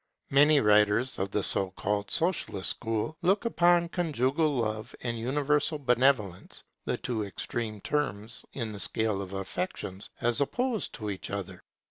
Many writers of the so called socialist school, look upon conjugal love and universal benevolence, the two extreme terms in the scale of affections, as opposed to each other.